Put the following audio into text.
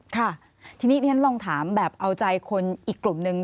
ค่ะทีนี้ที่ฉันลองถามแบบเอาใจคนอีกกลุ่มนึง